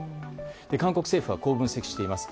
韓国政府はこう分析しています。